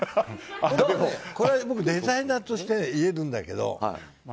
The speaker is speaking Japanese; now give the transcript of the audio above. これは僕、デザイナーとして言えるんですけど